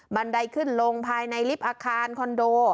ันไดขึ้นลงภายในลิฟต์อาคารคอนโด